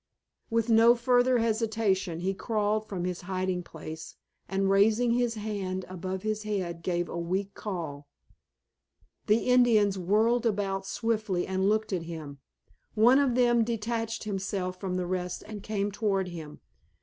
With no further hesitation he crawled from his hiding place and raising his hand above his head gave a weak call. The Indians whirled about swiftly and looked at him. One of them detached himself from the rest and came toward him.